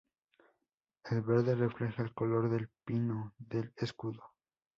El verde refleja el color del pino del escudo.